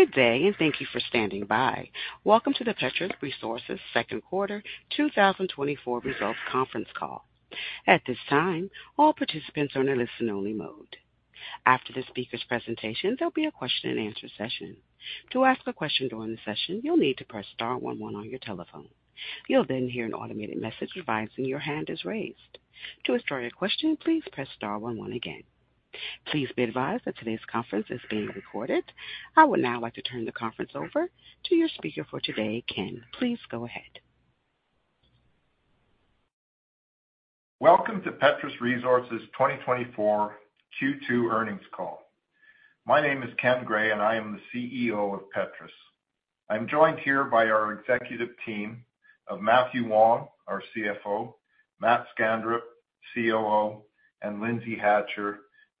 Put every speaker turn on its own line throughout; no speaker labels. Good day, and thank you for standing by. Welcome to the Petrus Resources Second Quarter 2024 Results Conference Call. At this time, all participants are in a listen-only mode. After the speaker's presentation, there'll be a question-and-answer session. To ask a question during the session, you'll need to press star one one on your telephone. You'll then hear an automated message advising your hand is raised. To withdraw your question, please press star one one again. Please be advised that today's conference is being recorded. I would now like to turn the conference over to your speaker for today, Ken. Please go ahead.
Welcome to Petrus Resources' 2024 Q2 earnings call. My name is Ken Gray, and I am the CEO of Petrus. I'm joined here by our executive team of Mathew Wong, our CFO,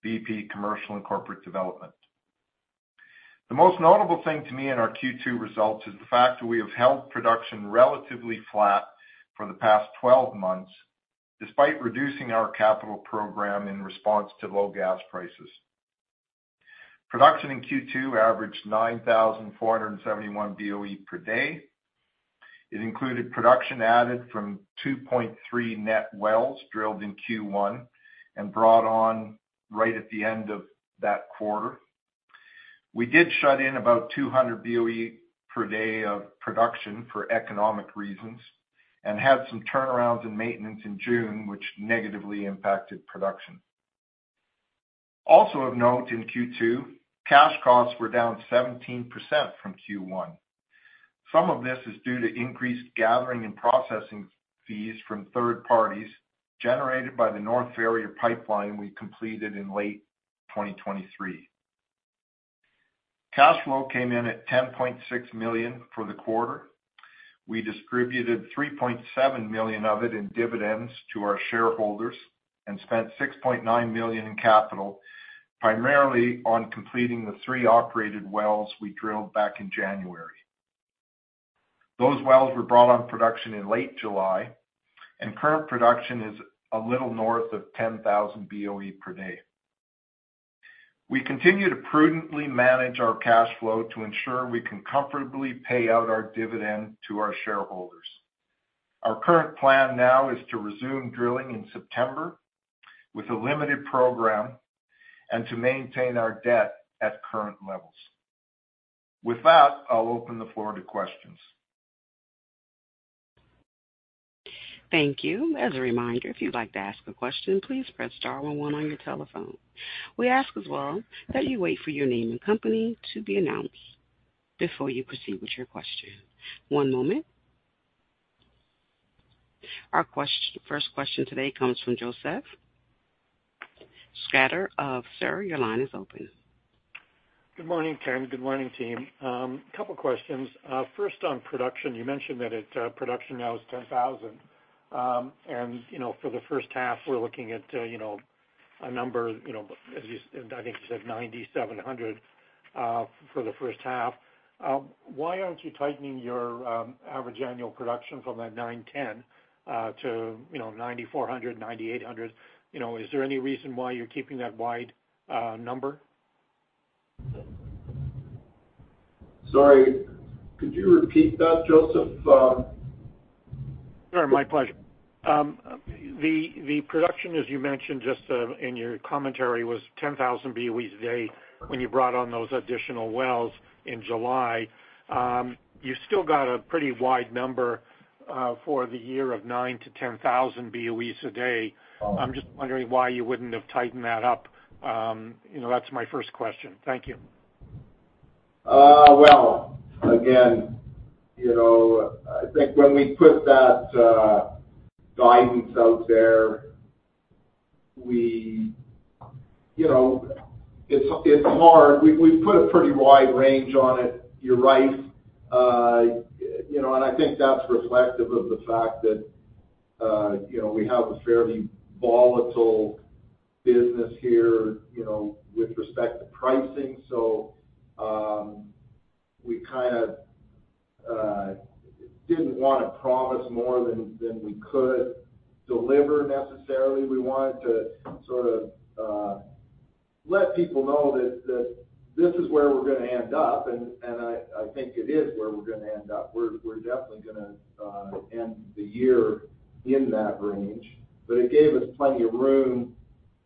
Matt Skanderup, COO, and Lindsay Hatcher, VP Commercial and Corporate Development. The most notable thing to me in our Q2 results is the fact that we have held production relatively flat for the past 12 months, despite reducing our capital program in response to low gas prices. Production in Q2 averaged 9,471 BOE per day. It included production added from 2.3 net wells drilled in Q1 and brought on right at the end of that quarter. We did shut in about 200 BOE per day of production for economic reasons and had some turnarounds and maintenance in June, which negatively impacted production. Also of note, in Q2, cash costs were down 17% from Q1. Some of this is due to increased gathering and processing fees from third parties generated by the North Ferrier pipeline we completed in late 2023. Cash flow came in at 10.6 million for the quarter. We distributed 3.7 million of it in dividends to our shareholders and spent 6.9 million in capital, primarily on completing the three operated wells we drilled back in January. Those wells were brought on production in late July, and current production is a little north of 10,000 BOE per day. We continue to prudently manage our cash flow to ensure we can comfortably pay out our dividend to our shareholders. Our current plan now is to resume drilling in September with a limited program and to maintain our debt at current levels. With that, I'll open the floor to questions.
Thank you. As a reminder, if you'd like to ask a question, please press star one one on your telephone. We ask as well that you wait for your name and company to be announced before you proceed with your question. One moment. Our first question today comes from Josef Schachter of Schachter Energy Research Services. Your line is open.
Good morning, Ken. Good morning, team. A couple questions. First, on production, you mentioned that it, production now is 10,000. You know, for the first half, we're looking at you know, a number, you know, as you, I think you said 9,700 for the first half. Why aren't you tightening your average annual production from that 9,100 to you know, 9,400, 9,800? You know, is there any reason why you're keeping that wide number?
Sorry, could you repeat that, Josef?
Sure, my pleasure. The production, as you mentioned just in your commentary, was 10,000 BOE a day when you brought on those additional wells in July. You still got a pretty wide number for the year of 9,000-10,000 BOE a day. I'm just wondering why you wouldn't have tightened that up. You know, that's my first question. Thank you.
Well, again, you know, I think when we put that guidance out there, you know, it's hard. We've put a pretty wide range on it. You're right. You know, and I think that's reflective of the fact that you know, we have a fairly volatile business here, you know, with respect to pricing. So, we kind of didn't want to promise more than we could deliver necessarily. We wanted to sort of let people know that this is where we're gonna end up, and I think it is where we're gonna end up. We're definitely gonna end the year in that range, but it gave us plenty of room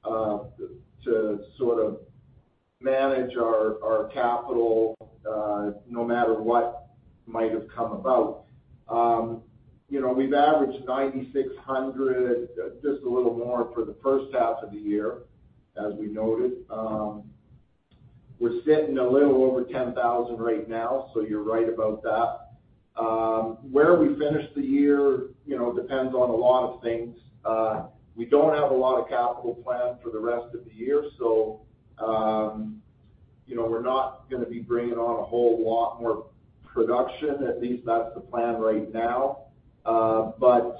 to sort of manage our capital, no matter what might have come about. You know, we've averaged 9,600, just a little more, for the first half of the year, as we noted. We're sitting a little over 10,000 right now, so you're right about that. Where we finish the year, you know, depends on a lot of things. We don't have a lot of capital planned for the rest of the year, so, you know, we're not gonna be bringing on a whole lot more production. At least that's the plan right now. But,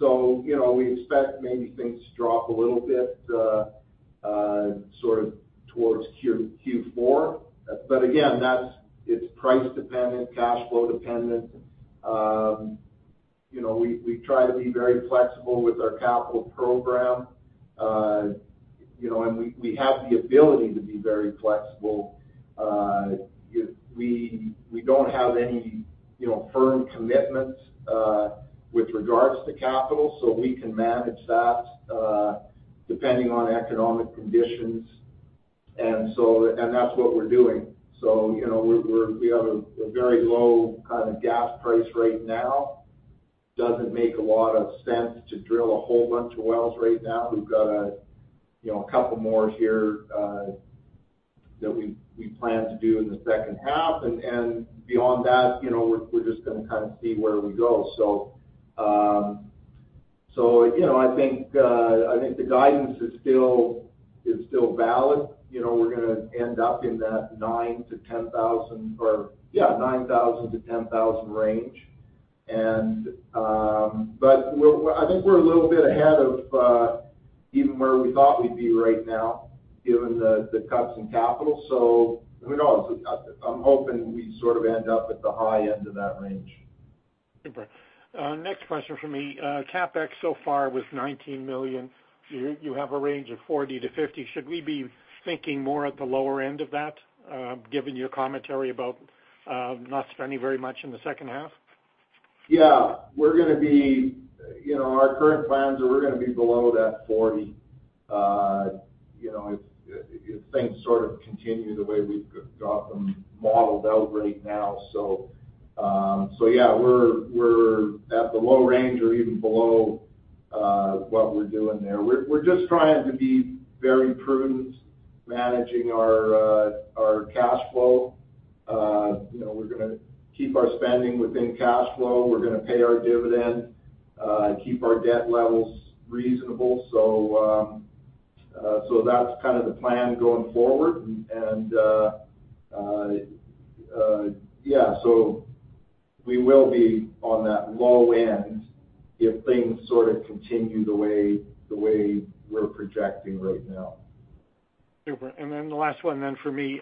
so, you know, we expect maybe things to drop a little bit, sort of towards Q4. But again, that's—it's price dependent, cash flow dependent, you know, we, we try to be very flexible with our capital program, you know, and we, we have the ability to be very flexible. We don't have any, you know, firm commitments with regards to capital, so we can manage that depending on economic conditions. And so and that's what we're doing. So, you know, we have a very low kind of gas price right now. Doesn't make a lot of sense to drill a whole bunch of wells right now. We've got a couple more here that we plan to do in the second half, and beyond that, you know, we're just gonna kind of see where we go. So, you know, I think, I think the guidance is still valid. You know, we're gonna end up in that 9,000-10,000 or yeah, 9,000-10,000 range. But we're a little bit ahead of, even where we thought we'd be right now, given the, the cuts in capital. So who knows? I'm hoping we sort of end up at the high end of that range.
Okay. Next question from me. CapEx so far was 19 million. You have a range of 40 million-50 million. Should we be thinking more at the lower end of that, given your commentary about not spending very much in the second half?
Yeah. We're gonna be, you know, our current plans are we're gonna be below that 40, you know, if things sort of continue the way we've got them modeled out right now. So, yeah, we're at the low range or even below what we're doing there. We're just trying to be very prudent, managing our cash flow. You know, we're gonna keep our spending within cash flow. We're gonna pay our dividend, keep our debt levels reasonable. So, that's kind of the plan going forward. Yeah, so we will be on that low end if things sort of continue the way we're projecting right now.
Super. And then the last one then for me.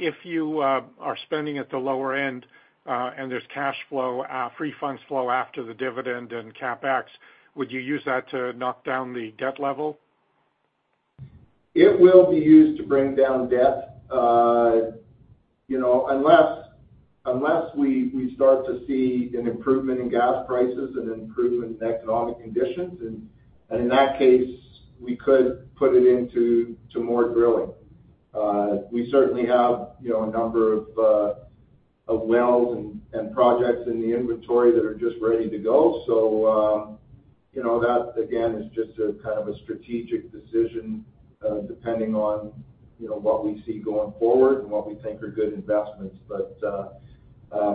If you are spending at the lower end, and there's cash flow, free funds flow after the dividend and CapEx, would you use that to knock down the debt level?
It will be used to bring down debt, you know, unless we start to see an improvement in gas prices and an improvement in economic conditions. And in that case, we could put it into more drilling. We certainly have, you know, a number of wells and projects in the inventory that are just ready to go. So, you know, that again is just a kind of a strategic decision, depending on, you know, what we see going forward and what we think are good investments. But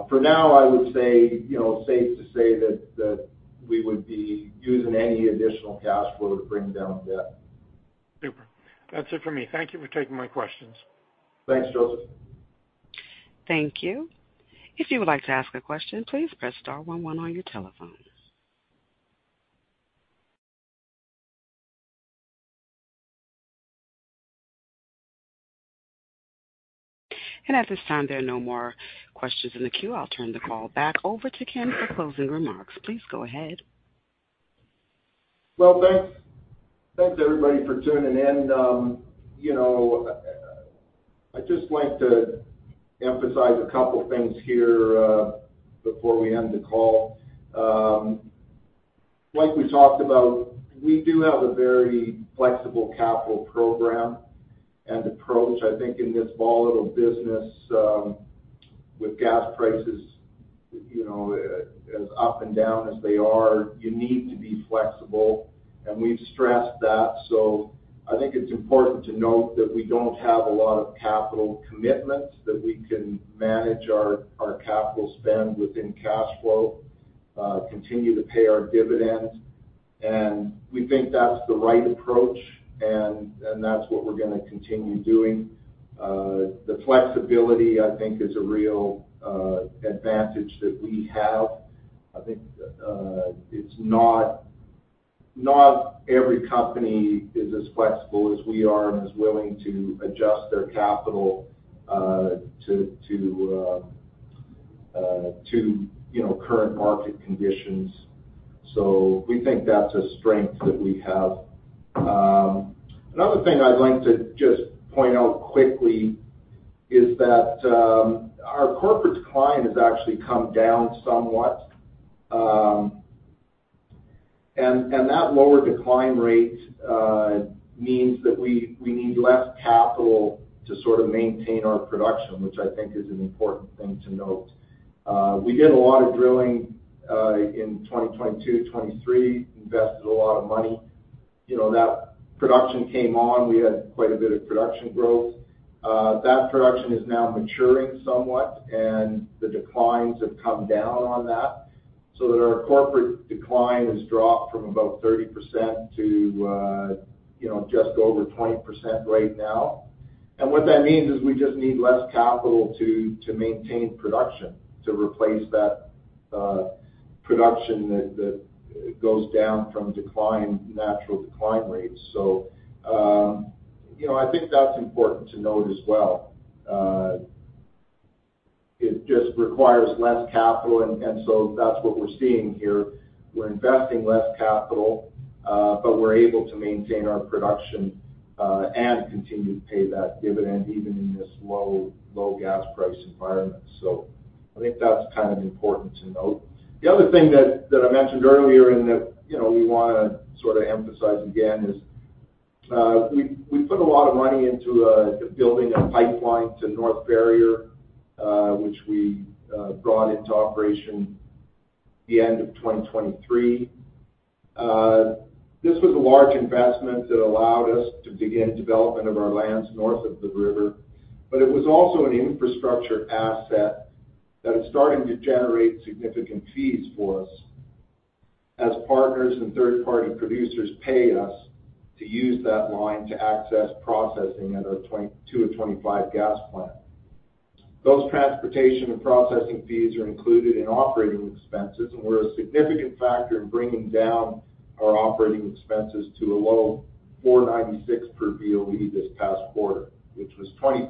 for now, I would say, you know, safe to say that we would be using any additional cash flow to bring down debt.
Super. That's it for me. Thank you for taking my questions.
Thanks, Joseph.
Thank you. If you would like to ask a question, please press star one one on your telephone. At this time, there are no more questions in the queue. I'll turn the call back over to Ken for closing remarks. Please go ahead.
Well, thanks, thanks everybody for tuning in. You know, I'd just like to emphasize a couple things here, before we end the call. Like we talked about, we do have a very flexible capital program and approach. I think in this volatile business, with gas prices, you know, as up and down as they are, you need to be flexible, and we've stressed that. So I think it's important to note that we don't have a lot of capital commitments, that we can manage our, our capital spend within cash flow, continue to pay our dividend, and we think that's the right approach, and, and that's what we're gonna continue doing. The flexibility, I think, is a real, advantage that we have. I think, it's not every company is as flexible as we are and as willing to adjust their capital to you know current market conditions. So we think that's a strength that we have. Another thing I'd like to just point out quickly is that our corporate decline has actually come down somewhat. And that lower decline rate means that we need less capital to sort of maintain our production, which I think is an important thing to note. We did a lot of drilling in 2022, 2023, invested a lot of money. You know, that production came on, we had quite a bit of production growth. That production is now maturing somewhat, and the declines have come down on that, so that our corporate decline has dropped from about 30% to, you know, just over 20% right now. And what that means is we just need less capital to maintain production, to replace that production that goes down from decline, natural decline rates. So, you know, I think that's important to note as well. It just requires less capital, and so that's what we're seeing here. We're investing less capital, but we're able to maintain our production, and continue to pay that dividend even in this low, low gas price environment. So I think that's kind of important to note. The other thing that I mentioned earlier, and that, you know, we wanna sort of emphasize again, is, we put a lot of money into building a pipeline to North Ferrier, which we brought into operation the end of 2023. This was a large investment that allowed us to begin development of our lands north of the river, but it was also an infrastructure asset that is starting to generate significant fees for us as partners and third-party producers pay us to use that line to access processing at our 2-25 gas plant. Those transportation and processing fees are included in operating expenses and were a significant factor in bringing down our operating expenses to a low 4.96 per BOE this past quarter, which was 20%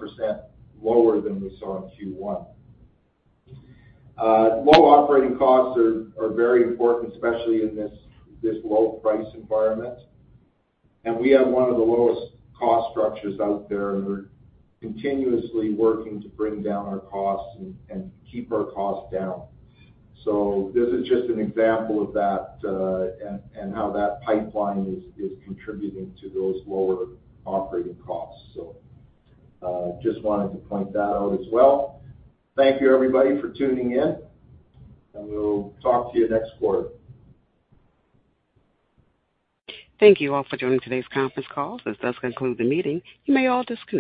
lower than we saw in Q1. Low operating costs are very important, especially in this low price environment, and we have one of the lowest cost structures out there, and we're continuously working to bring down our costs and keep our costs down. So this is just an example of that, and how that pipeline is contributing to those lower operating costs. So, just wanted to point that out as well. Thank you, everybody, for tuning in, and we'll talk to you next quarter.
Thank you all for joining today's conference call. This does conclude the meeting. You may all disconnect.